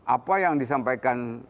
apa yang disampaikan orang